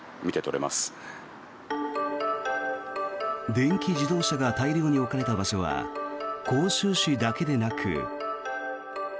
電気自動車が大量に置かれた場所は杭州市だけでなく。